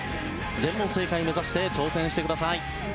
全問正解目指して挑戦してください。